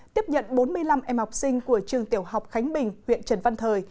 tiếp nhận bốn mươi năm em học sinh của trường tiểu học khánh bình huyện trần văn thời